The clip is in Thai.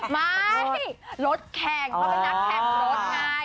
ไม่รถแข่งเขาเป็นนักแข่งรถไง